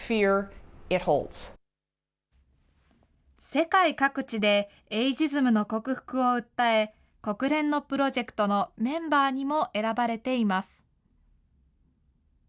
世界各地でエイジズムの克服を訴え、国連のプロジェクトのメンバーにも選ばれています。